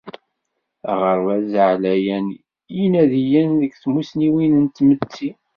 Aɣerbaz Aεlayen n Yinadiyen deg tmussniwin n tmetti.